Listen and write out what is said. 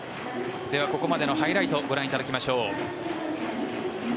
では、ここまでのハイライトご覧いただきましょう。